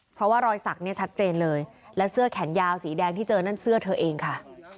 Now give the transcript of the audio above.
เพราะว่ารอยสักเนี่ยชัดเจนเลยและเสื้อแขนยาวสีแดงที่เจอนั่นเสื้อเธอเองค่ะ